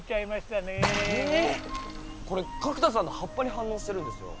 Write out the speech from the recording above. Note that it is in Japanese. これ角田さんの葉っぱに反応してるんですよ。